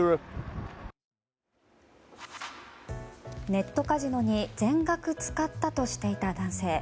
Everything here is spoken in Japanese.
ネットカジノに全額使ったとしていた男性。